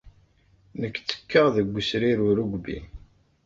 Nekk ttekkaɣ deg wesrir n urugby.